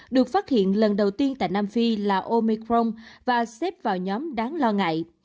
một mươi một nghìn năm trăm hai mươi chín được phát hiện lần đầu tiên tại nam phi là omicron và xếp vào nhóm đáng lo ngại